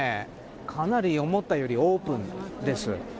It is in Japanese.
かなり思ったよりオープンです。